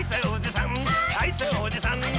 「おじさん